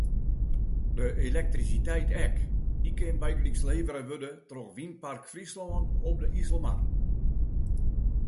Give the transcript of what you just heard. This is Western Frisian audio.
De elektrisiteit ek: dy kin bygelyks levere wurde troch Wynpark Fryslân op de Iselmar.